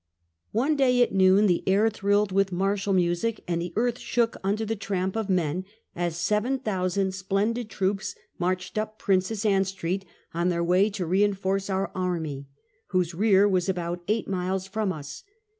One day at noon, the air thrilled with martial music and the earth shook under the tramp of men as seven thousand splendid troops marched up Princess Ann street on their way to reinforce our army, whose rear was about eight miles from us.